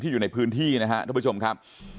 อยู่ในพื้นที่นะครับทุกผู้ชมครับ